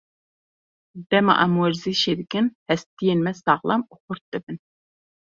Dema em werzîşê dikin, hestiyên me saxlem û xurt dibin.